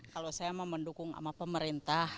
kalau saya mau mendukung sama pemerintah